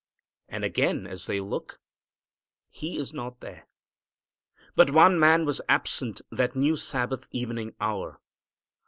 And again, as they look, He is not there. But one man was absent that new Sabbath evening hour.